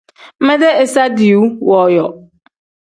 Medee iza diiwu wooyo.